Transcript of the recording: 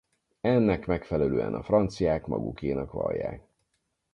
Ennek megfelelően a franciák magukénak vallják.